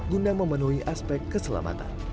guna memenuhi aspek keselamatan